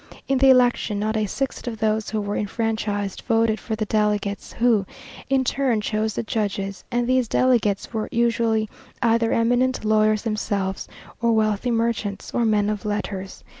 In the election not a sixth of those who were enfranchised voted for the delegates who, in turn, chose the judges, and these delegates were usually either eminent lawyers themselves, or wealthy merchants, or men of letters.